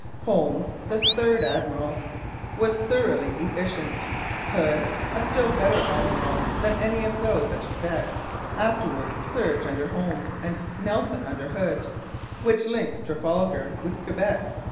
Holmes, the third admiral, was thoroughly efficient. Hood, a still better admiral than any of those at Quebec, afterwards served under Holmes, and Nelson under Hood; which links Trafalgar with Quebec.